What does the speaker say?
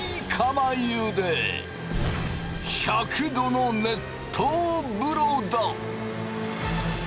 １００℃の熱湯風呂だ。